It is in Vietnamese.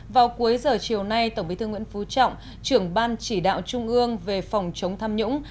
vào cuối giờ chiều nay tổng bí thư nguyễn phú trọng trưởng ban chỉ đạo trung ương về phòng chống tham nhũng